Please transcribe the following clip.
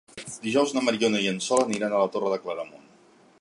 Dijous na Mariona i en Sol aniran a la Torre de Claramunt.